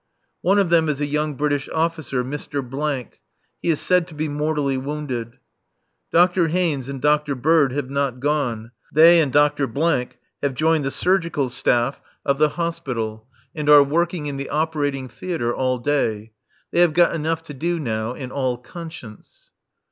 One of them is a young British officer, Mr. . He is said to be mortally wounded. Dr. Haynes and Dr. Bird have not gone. They and Dr. have joined the surgical staff of the Hospital, and are working in the operating theatre all day. They have got enough to do now in all conscience.